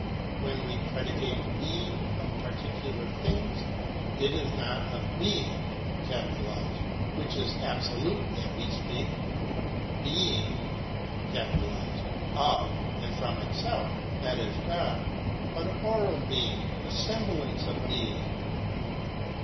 When we predicate being of particular things, it is not of Being which is absolute that we speak Being of and from itself; that is, God but a borrowed being, a semblance of being.